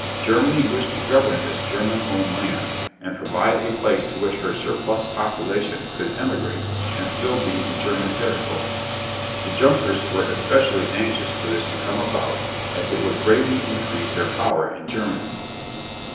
Germany wished to govern this German owned land and provide a place to which her surplus population could emigrate and still be in German territory. The Junkers were especially anxious for this to come about as it would greatly increase their power in Germany.